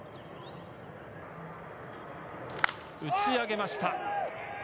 打ち上げました。